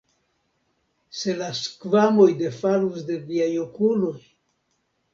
Se la skvamoj defalus de viaj okuloj!